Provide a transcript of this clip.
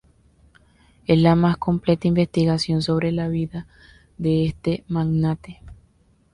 Es la más completa investigación sobre la vida de este magnate.